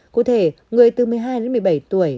cụ thể người từ một mươi hai đến một mươi bảy tuổi